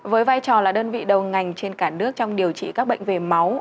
với vai trò là đơn vị đầu ngành trên cả nước trong điều trị các bệnh về máu